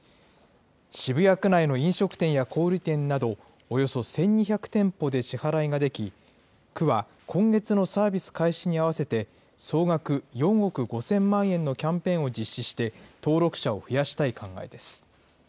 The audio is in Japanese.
渋谷区内の飲食店や小売り店など、およそ１２００店舗で支払いができ、区は今月のサービス開始に合わせて、総額４億５０００万円のキャンペーンを実施して、登録者を増やしたい考えです。